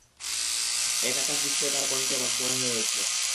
এক আকাশ বিস্ময় তার কণ্ঠে বাঙ্ময় হয়ে উঠল।